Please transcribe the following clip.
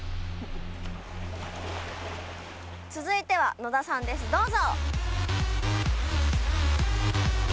続いては野田さんですどうぞ。